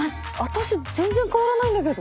私全然変わらないんだけど。